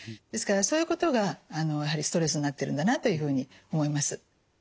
ですからそういうことがストレスになってるんだなというふうに思います。